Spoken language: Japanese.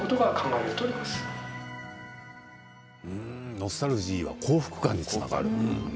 ノスタルジーは幸福感につながるんですね。